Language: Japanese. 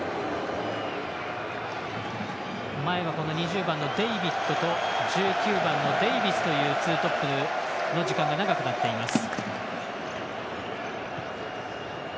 前は２０番のデイビッドと１９番のデイビスというツートップの時間が長くなっています。